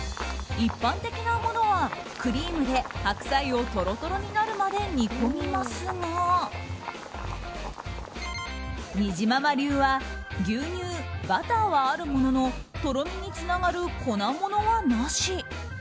一般的なものは、クリームで白菜をとろとろになるまで煮込みますがにじまま流は牛乳、バターはあるもののとろみにつながる粉ものはなし。